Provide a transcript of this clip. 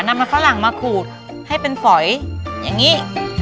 นำมันฝรั่งมาขูดให้เป็นฝอยอย่างนี้